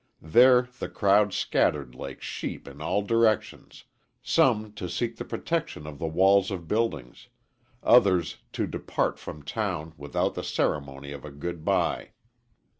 There the crowd scattered like sheep in all directions, some to seek the protection of the walls of buildings, others to depart from town without the ceremony of a good bye.